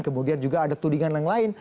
kemudian juga ada tudingan yang lain